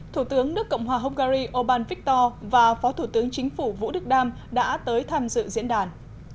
thủ tướng nước cộng hòa hungary orbán victor và phó thủ tướng chính phủ vũ đức đam đã tới tham dự diễn đàn